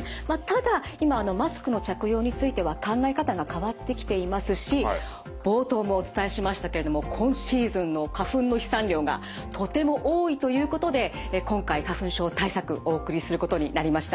ただ今マスクの着用については考え方が変わってきていますし冒頭もお伝えしましたけれども今シーズンの花粉の飛散量がとても多いということで今回花粉症対策お送りすることになりました。